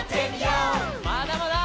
まだまだ！